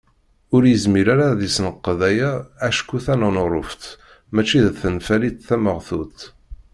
Ur yezmir ara ad isenqed aya acku taneɣruft mačči d tanfalit tameɣtut.